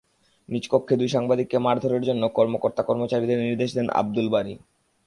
নিজ কক্ষে দুই সাংবাদিককে মারধরের জন্য কর্মকর্তা-কর্মচারীদের নির্দেশ দেন আবদুল বারী।